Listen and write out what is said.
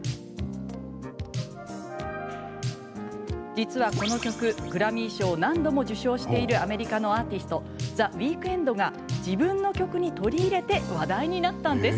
実は、この曲グラミー賞を何度も受賞しているアメリカのアーティストＴｈｅＷｅｅｋｎｄが自分の曲に取り入れて話題になったんです。